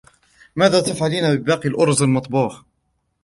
ماذا تفعلين بباقي الارز المطبوخ ؟